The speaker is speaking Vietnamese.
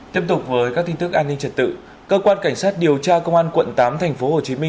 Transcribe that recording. tiếp tục với các tin tức an ninh trật tự cơ quan cảnh sát điều tra công an quận tám tp hcm